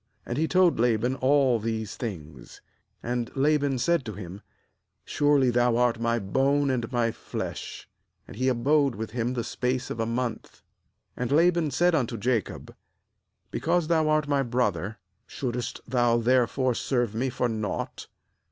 And he told Laban all these things. 14And Laban said to him: 'Surely thou art my bone and my flesh.' And he abode with him the space of a month. 15And Laban said unto Jacob: * Be cause thou art my brother, shouldest thou therefore serve me for nought?